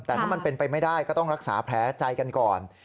แต่ถ้ามันเป็นไปไม่ได้ก็ต้องรักษาแผลใจกันก่อน